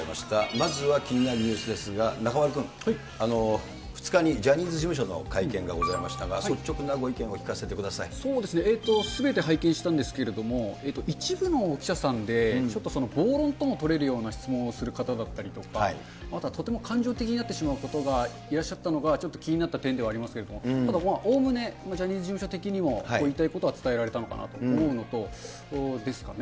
まずは気になるニュースですが、中丸君。２日にジャニーズ事務所の会見がございましたが、そうですね、すべて拝見したんですけど、一部の記者さんで、ちょっと暴論とも取れるような質問をする方だったりとか、あとはとても感情的になってしまう方がいらっしゃったのが、ちょっと気になった点ではありますけれども、ただ、おおむねジャニーズ事務所的にも、言いたいことは伝えられたのかなと思うのと、ですかね。